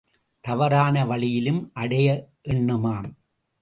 தவறான வழியிலும் அடைய எண்ணுமாம்.